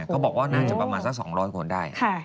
เขาบอกว่าน่าจะประมาณสัก๒๐๐คนได้